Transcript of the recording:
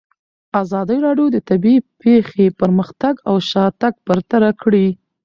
ازادي راډیو د طبیعي پېښې پرمختګ او شاتګ پرتله کړی.